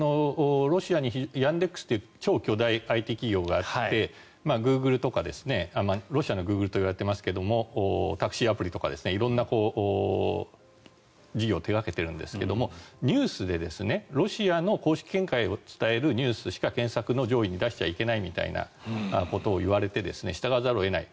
ロシアにヤンデックスという超巨大ＩＴ企業があってロシアのグーグルといわれていますがタクシーアプリとか色んな事業を手掛けているんですがニュースでロシアの公式見解を伝えるニュースしか検索の上位に出しちゃいけないみたいなことを言われて従わざるを得ない。